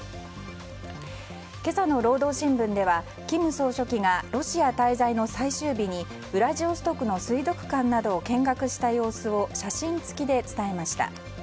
今朝の労働新聞では金総書記がロシア滞在の最終日にウラジオストクの水族館などを見学した様子を写真付きで伝えました。